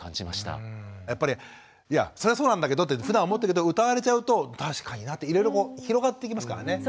やっぱりいやそりゃそうなんだけどってふだん思ってるけど歌われちゃうと確かになっていろいろ広がっていきますからね。